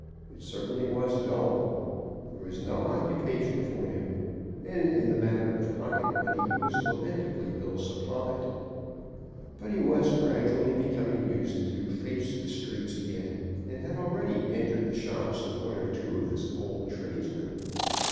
It certainly was dull. There was no occupation for him, and in the matter of pocket money he was lamentably ill supplied. But he was gradually becoming used to face the streets again and had already entered the shops of one or two of his old tradesmen.